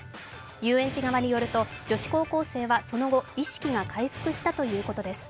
遊園地側によると女子高校生はその後、意識が回復したということです。